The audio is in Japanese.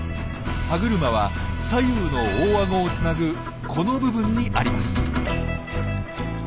歯車は左右の大あごをつなぐこの部分にあります。